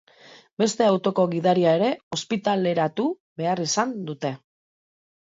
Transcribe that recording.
Beste autoko gidaria ere ospitaleratu behar izan dute.